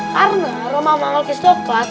karena roma malkis coklat